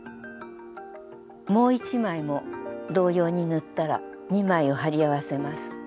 もう１枚も同様に塗ったら２枚を貼り合わせます。